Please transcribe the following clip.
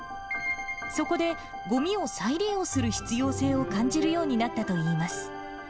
そこでごみを再利用する必要性を感じるようになったといいます。